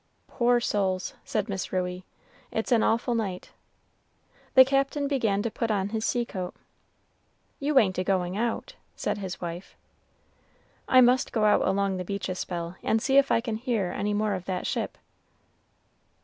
"Poor souls," said Miss Ruey; "it's an awful night!" The captain began to put on his sea coat. "You ain't a goin' out?" said his wife. "I must go out along the beach a spell, and see if I can hear any more of that ship."